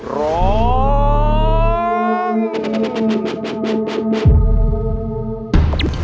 ร้อง